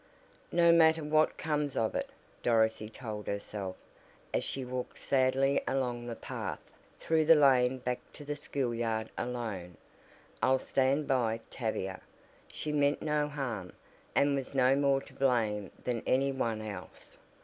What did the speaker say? "No matter what comes of it," Dorothy told herself, as she walked sadly along the path, through the lane back to the schoolyard alone, "I'll stand by Tavia. She meant no harm, and was no more to blame than any one else.